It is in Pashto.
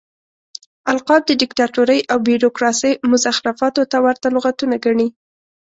القاب د ديکتاتورۍ او بيروکراسۍ مزخرفاتو ته ورته لغتونه ګڼي.